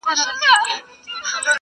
o د لېوني څخه ئې مه غواړه، مې ورکوه٫